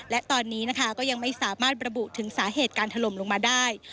และตอนนี้นะคะก็ยังไม่สามารถระบุถึงสาเหตุการถล่มลงมาได้